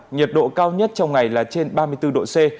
nhiệt độ cao nhất trong ngày là trên ba mươi bốn độ c